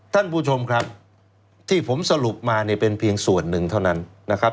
ท่านผู้ชมครับที่ผมสรุปมาเนี่ยเป็นเพียงส่วนหนึ่งเท่านั้นนะครับ